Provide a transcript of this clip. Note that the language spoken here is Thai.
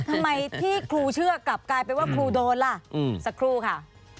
ทำไมที่ครูเชื่อกลับกลายเป็นว่าครูโดนล่ะสักครู่ค่ะ